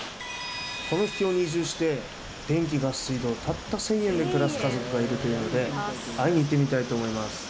この秘境に移住して電気ガス水道たった１０００円で暮らす家族がいるというので会いに行ってみたいと思います。